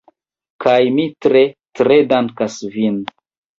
Kaj mi tre, tre dankas vin.